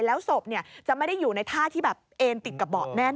แล้วศพจะไม่ได้อยู่ในท่าที่แบบเอ็นติดกับเบาะแน่น